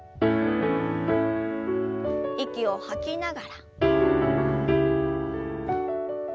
息を吐きながら。